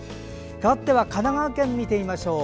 かわっては神奈川県を見てみましょう。